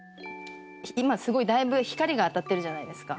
今すごいだいぶ光が当たってるじゃないですか。